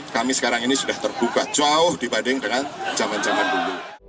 kami sekarang ini sudah terbuka jauh dibanding dengan zaman zaman dulu